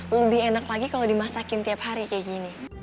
lebih enak lagi kalau dimasakin tiap hari kayak gini